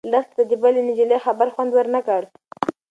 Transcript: لښتې ته د بلې نجلۍ خبر خوند ورنه کړ.